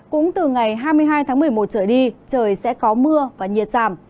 cũng từ ngày hai mươi hai tháng một mươi một trở đi trời sẽ có mưa và nhiệt giảm